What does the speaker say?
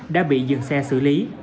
đã bị dựng xe xử lý